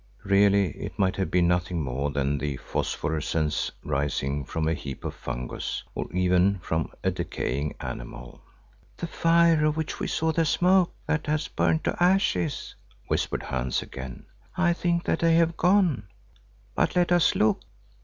Really it might have been nothing more than the phosphorescence rising from a heap of fungus, or even from a decaying animal. "The fire of which we saw the smoke that has burnt to ashes," whispered Hans again. "I think that they have gone, but let us look."